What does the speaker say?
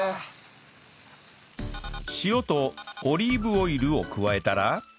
塩とオリーブオイルを加えたら